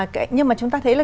và nhưng mà chúng ta thấy là